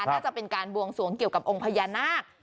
น่าจะเป็นการบวงสวงเกี่ยวกับองค์พญานาค